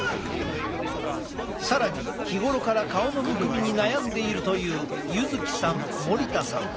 更に日頃から顔のむくみに悩んでいるという柚木さん森田さんだ。